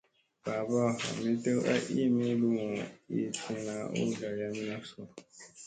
Babaa ,ami tew a iimi lumu ii tilla u ɗarayamina su ?